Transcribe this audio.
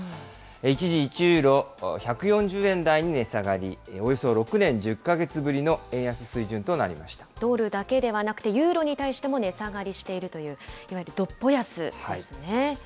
一時１ユーロ１４０円台に値下がり、およそ６年１０か月ぶりの円ドルだけではなくて、ユーロに対しても値下がりしているという、いわゆる独歩安ですね。